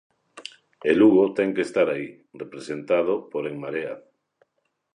E Lugo ten que estar aí, representado por En Marea.